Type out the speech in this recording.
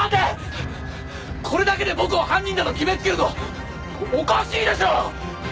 これだけで僕を犯人だと決めつけるのはおかしいでしょう！？